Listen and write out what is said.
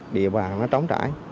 địa bàn nó trống trải